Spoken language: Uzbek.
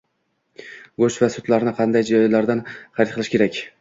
Go’sht va sutlarni qanday joylardan xarid qilish kerak?